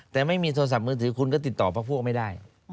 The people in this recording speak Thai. แต่ไม่มีโทรศัพท์มือถือคุณก็ติดต่อพักพวกไม่ได้